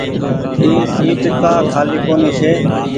اي سيٽ ڪآ کآلي ڪونيٚ ڇي۔